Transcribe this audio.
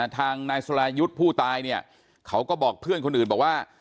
ทางนายสรายุทธ์ผู้ตายเนี่ยเขาก็บอกเพื่อนคนอื่นบอกว่า